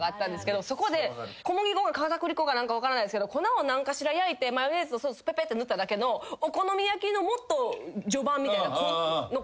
そこで小麦粉か片栗粉か分からないですけど粉を何かしら焼いてマヨネーズとソースペペッて塗っただけのお好み焼きのもっと序盤みたいな。